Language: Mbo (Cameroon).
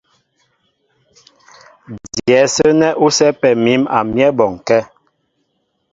Dyɛ̌ ásə́ nɛ́ ú sɛ́pɛ mǐm a myɛ́ bɔnkɛ́.